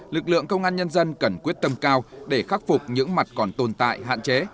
lực lượng công an nhân dân cần quyết tâm cao để khắc phục những mặt còn tồn tại hạn chế